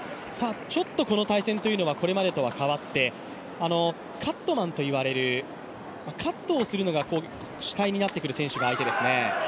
ちょっとこの対戦というのはこれまでと変わってカットマンと呼ばれるカットをするのが主体になってくる選手が相手ですね。